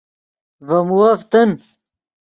ڤے مووف تن